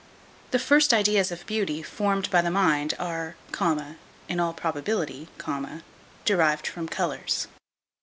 The first ideas of beauty formed by the mind are, in all probability, derived from colours.